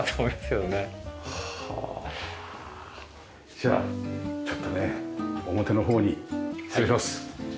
じゃあちょっとね表のほうに失礼します。